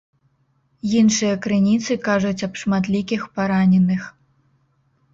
Іншыя крыніцы кажуць аб шматлікіх параненых.